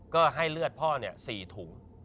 ก็ให้เลือดพ่อเนี่ย๔ถุง